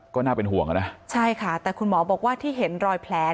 ก็น่าเป็นห่วงอ่ะนะใช่ค่ะแต่คุณหมอบอกว่าที่เห็นรอยแผล